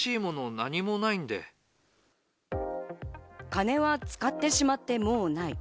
金は使ってしまってもうない。